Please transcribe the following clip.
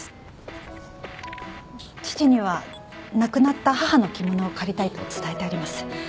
父には亡くなった母の着物を借りたいと伝えてあります。